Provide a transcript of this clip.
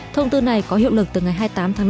thông tư này có hiệu lực từ ngày hai mươi tám tháng năm